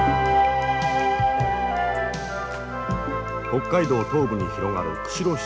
北海道東部に広がる釧路湿原。